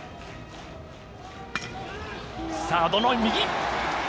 サードの右。